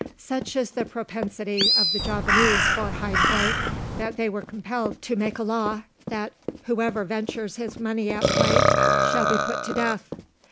Such is the propensity of the Javanese for high play, that they were compelled to make a law, that "Whoever ventures his money at play shall be put to death."